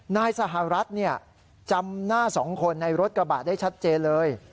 นายสหรัฐจำหน้าสองคนในรถกระบะได้ชัดเจนเลย